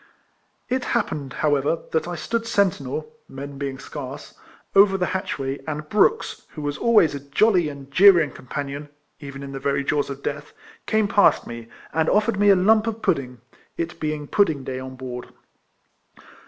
It happened, however. EIFLEMAN HARRIS. 259 that I stood sentinel (men being scarce) over the hatchway, and Brooks, who was always a jolly and jeering companion (even in the very jaws of death) came past me, and offered me a lump of pudding, it being pudding day on board.